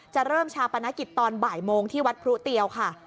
จะเริ่มชาปนกิจตอนบ่ายโมงที่วัดพรุเตียวค่ะ